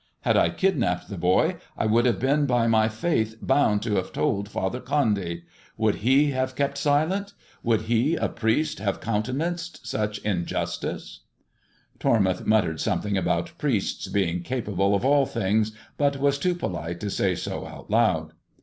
Had I kidnapped the boy, I would have been by my faith bound to have told Father Condy. Would he have kept silent? Would he, a priest, have countenanced such injustice ]" 804 THE JESUIT AND THE MEXICAN COIN Tormoutb muttered something about priests being cap able of all things, but was too polite to say so out loud.